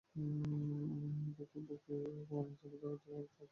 বুকে কোরআন চেপে ধরে দুয়ারে দাঁড়িয়ে থরথর করে কাঁপে পান্না খালা।